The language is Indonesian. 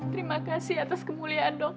terima kasih atas kemuliaanmu